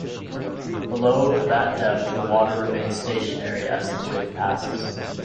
Below that depth the water remains stationary as the wave passes.